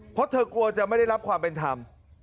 เพราะเธอกลัวจะไม่ได้รับความเป็นธรรม